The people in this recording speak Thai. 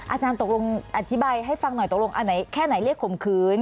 อาจารย์ตกลงอธิบายให้ฟังหน่อยตกลงอันไหนแค่ไหนเรียกข่มขืน